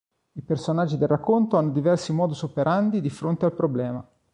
I personaggi del racconto hanno diversi modus operandi di fronte al problema.